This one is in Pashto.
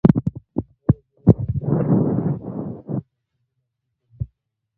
ډول ډول خیالات مې په دماغ کې اخوا دېخوا کېدل او فکر مې کاوه.